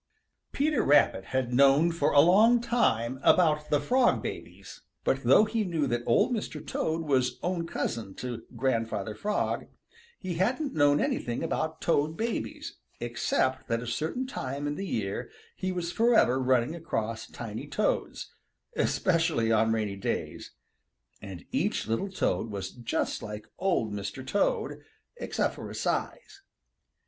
Peter Rabbit had known for a long time about the Frog babies, but though he knew that Old Mr. Toad was own cousin to Grandfather Frog, he hadn't known anything about Toad babies, except that at a certain time in the year he was forever running across tiny Toads, especially on rainy days, and each little Toad was just like Old Mr. Toad, except for his size.